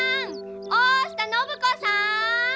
大下靖子さん！